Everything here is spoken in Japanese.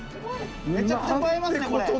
めちゃくちゃ映えますねこれ！